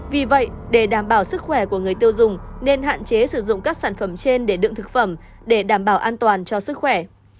vì vậy để đảm bảo sức khỏe của người tiêu dùng nên hạn chế sử dụng các sản phẩm trên để đựng thực phẩm để đảm bảo an toàn cho sức khỏe